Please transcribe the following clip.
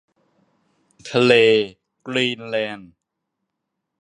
ทะเลกรีนแลนด์